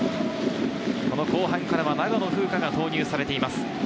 後半からは長野風花が投入されています。